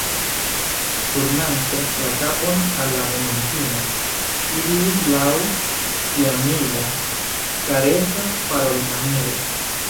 Turnante la kapon al la venintino, ŝi diris laŭ sia milda, karesa parolmaniero: